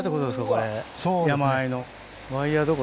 これ山あいの。